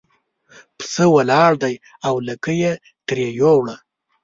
پسه ولاړ دی او لکۍ یې ترې یووړه.